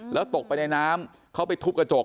แล้วตกไปในน้ำเขาไปทุบกระจก